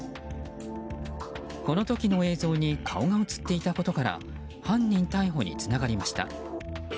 この時の映像に顔が映っていたことから犯人逮捕につながりました。